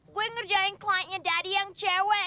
gue ngerjain kliennya daddy yang cewek